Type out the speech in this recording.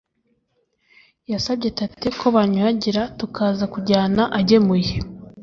yasabye tate ko banyuhagira tukaza kujyana agemuye.